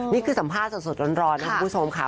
นี่คือสัมภาษณ์สดร้อนนะคุณผู้ชมค่ะ